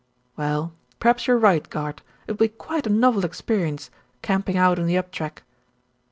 "Well, perhaps you're right, guard. It will be quite a novel experience, camping out on the up track."